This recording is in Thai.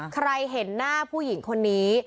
ใครเห็นหน้าผู้หญิงคนนี้